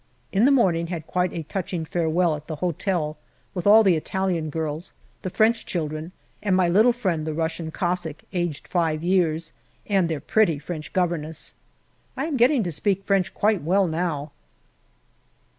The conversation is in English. In the morning had quite a touching farewell at the hotel with all the Italian girls, the French children, and my little friend the Russian Cossack, aged five years, and their pretty French governess. I am getting to speak French quite well now.